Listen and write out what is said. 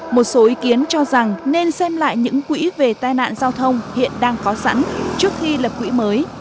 một số ý kiến cho rằng nên xem lại những quỹ về tai nạn giao thông hiện đang có sẵn trước khi lập quỹ mới